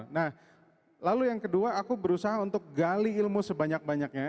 nah lalu yang kedua aku berusaha untuk gali ilmu sebanyak banyaknya